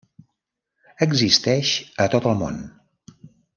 Existeix a tot el món.